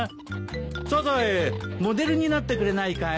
サザエモデルになってくれないかい？